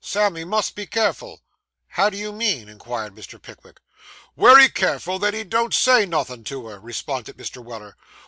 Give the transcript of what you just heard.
Sammy must be careful.' 'How do you mean?' inquired Mr. Pickwick. 'Wery careful that he don't say nothin' to her,' responded Mr. Weller.